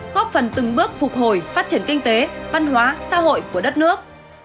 góp phần từng bước phục hồi phát triển kinh tế văn hóa xã hội của đất nước